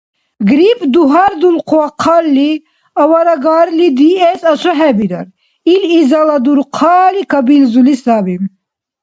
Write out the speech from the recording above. Грипп дагьардухъалли, авараагарли диэс асухӏебирар. Ил изала дурхъали кабилзуси саби.